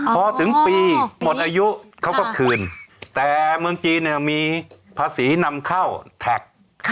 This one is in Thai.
พอถึงปีหมดอายุเขาก็คืนแต่เมืองจีนเนี่ยมีภาษีนำเข้าแท็ก